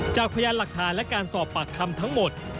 พยานหลักฐานและการสอบปากคำทั้งหมด